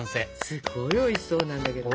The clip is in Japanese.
すごいおいしそうなんだけど。